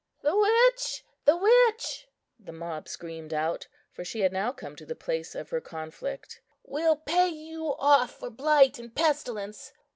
"The witch, the witch," the mob screamed out, for she had now come to the place of her conflict. "We'll pay you off for blight and pestilence!